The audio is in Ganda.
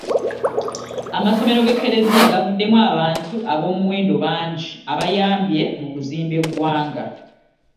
Amasomero g'Eklezia gavuddemu abantu ab'omuwendo bangi abayambye mu kuzimba eggwanga.